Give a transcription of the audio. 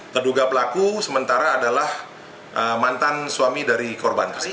terduga pelaku sementara adalah mantan suami dari korban